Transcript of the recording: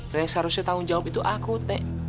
dan yang seharusnya tanggung jawab itu aku nek